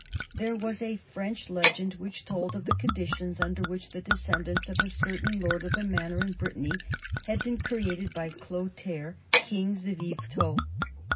There was a French legend which told of the conditions under which the descendants of a certain lord of the manor in Brittany had been created by Clotaire kings of Yvetot.